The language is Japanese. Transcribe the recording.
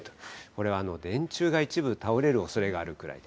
これは電柱が一部倒れるおそれがあるくらい。